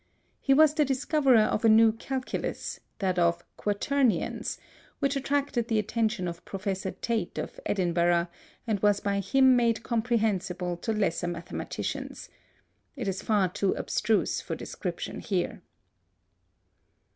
He was the discoverer of a new calculus, that of Quaternions, which attracted the attention of Professor Tait of Edinburgh, and was by him made comprehensible to lesser mathematicians. It is far too abstruse for description here.